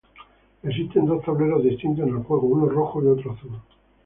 Existen dos tableros distintos en el juego, uno rojo y otro azul.